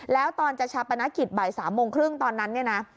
แล้วตอนจะชับประณะกิจบ่าย๓โมงครึ่งตอนนั้น